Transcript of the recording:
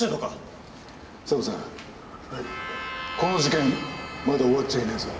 この事件まだ終わっちゃいないぞ。